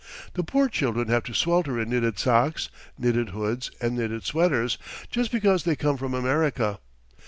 The poor children have to swelter in knitted socks, knitted hoods, and knitted sweaters, just because they come from America.